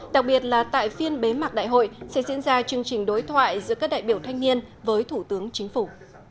đặc biệt là tại phiên bế mạc đại hội sẽ diễn ra chương trình đối thoại giữa các đại biểu thanh niên với thủ tướng chính phủ